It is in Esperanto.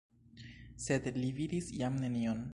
Sed li vidis jam nenion.